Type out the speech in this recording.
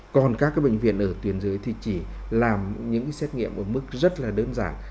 còn các bệnh viện ở tuyến dưới thì chỉ làm những xét nghiệm ở mức rất đơn giản